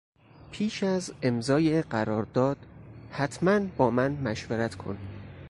پیش از امضای قرارداد حتما با من مشورت کن.